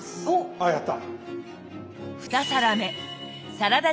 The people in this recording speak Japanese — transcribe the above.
あやった！